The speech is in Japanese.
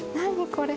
これ。